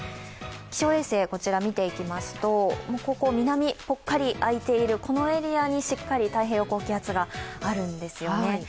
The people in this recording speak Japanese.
気象衛星、みていきますと南、ぽっかりあいているこのエリアにしっかり太平洋高気圧があるんですよね。